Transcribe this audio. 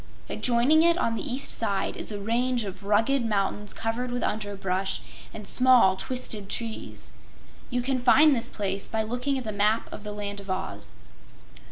Adjoining it on the east side is a range of rugged mountains covered with underbrush and small twisted trees. You can find this place by looking at the Map of the Land of Oz.